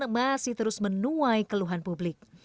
masih terus menuai keluhan publik